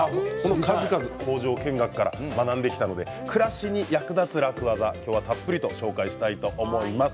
数々工場見学から学んできたので暮らしに役立つ楽ワザをたっぷりとご紹介したいと思います。